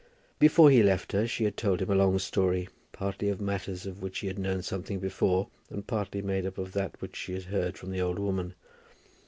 Before he left her she had told him a long story, partly of matters of which he had known something before, and partly made up of that which she had heard from the old woman.